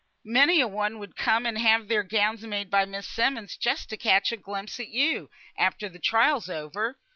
Many a one would come and have their gowns made by Miss Simmonds just to catch a glimpse at you, at after the trial's over.